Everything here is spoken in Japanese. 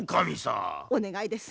お願いです。